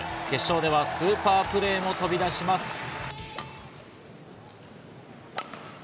決勝ではスーパープレーも飛び出します。